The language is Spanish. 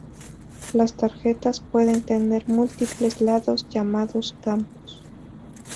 Las tarjetas pueden tener múltiples "lados", llamados campos.